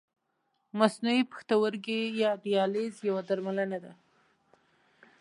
مصنوعي پښتورګی یا دیالیز یوه درملنه ده.